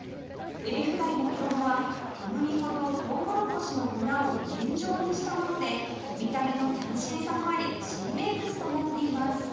エビフライの衣は小麦粉とトウモロコシの粉を麺状にしたもので見た目の斬新さもあり新名物となっています